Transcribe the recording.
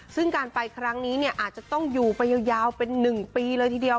ซึ่งการไปครั้งนี้เนี่ยอาจจะต้องอยู่ไปยาวเป็น๑ปีเลยทีเดียว